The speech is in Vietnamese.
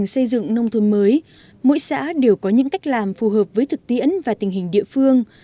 trong quá trình xây dựng nông thôn mới mỗi xã đều có những cách làm phù hợp với thực tiễn và tình hình địa phương